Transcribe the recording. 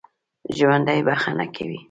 ژوندي بښنه کوي